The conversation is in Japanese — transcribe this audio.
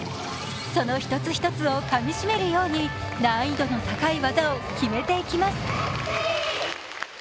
その一つ一つをかみ締めるように、難易度の高い技を決めていきます。